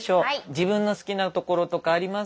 自分の好きなところとかありますか？